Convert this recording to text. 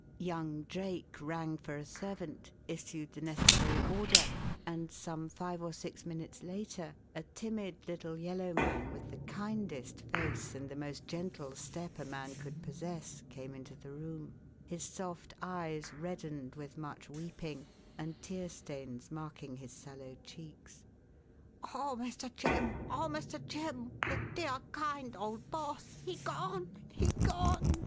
Young Drake rang for a servant, issued the necessary order, and some five or six minutes later a timid little yellow man with the kindest face and the most gentle step a man could possess came into the room, his soft eyes reddened with much weeping, and tear stains marking his sallow cheeks. "Oh, Mr. Jim! Oh, Mr. Jim! the dear, kind old 'boss'! He gone! he gone!"